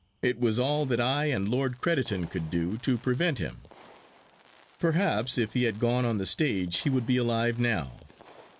It was all that I and Lord Crediton could do to prevent him. Perhaps if he had gone on the stage he would be alive now.